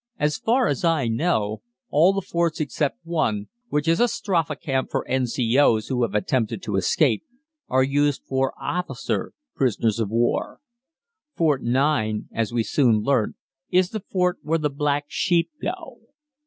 As far as I know, all the forts except one, which is a strafe camp for N.C.O.'s who have attempted to escape, are used for officer prisoners of war. Fort 9, as we soon learnt, is the fort where the black sheep go.